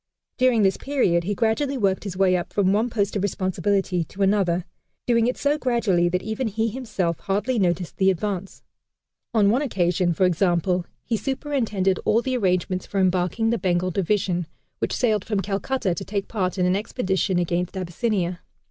During this period he gradually worked his way up from one post of responsibility to another, doing it so gradually that even he himself hardly noticed the advance. On one occasion, for example, he superintended all the arrangements for embarking the Bengal Division, which sailed from Calcutta to take part in an expedition against Abyssinia.